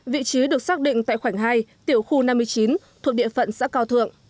vị trí được xác định tại khoảnh hai tiểu khu năm mươi chín thuộc địa phận xã cao thượng